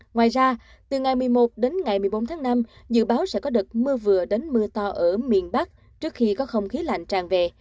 ngoài ra từ ngày một mươi một đến ngày một mươi bốn tháng năm dự báo sẽ có đợt mưa vừa đến mưa to ở miền bắc trước khi có không khí lạnh tràn về